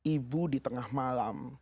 ibu di tengah malam